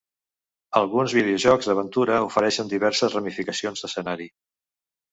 Alguns videojocs d'aventura ofereixen diverses ramificacions d'escenari.